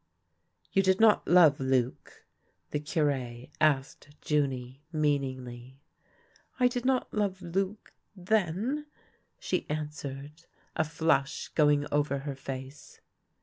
" You did not love Luc .^" the Cure asked Junie, meaningly. " I did not love Luc — then," she answered, a flush' going over her face.